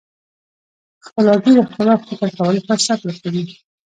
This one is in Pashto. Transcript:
خپلواکي د خپلواک فکر کولو فرصت ورکوي.